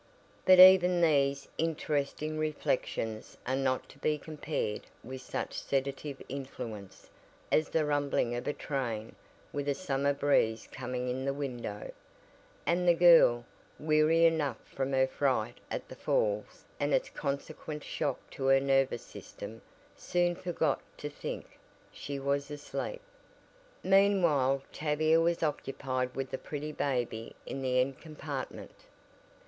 But even these interesting reflections are not to be compared with such sedative influence as the rumbling of a train with a summer breeze coming In the window, and the girl, weary enough from her fright at the falls and its consequent shock to her nervous system soon forgot to think she was asleep. Meanwhile Tavia was occupied with the pretty baby in the end compartment.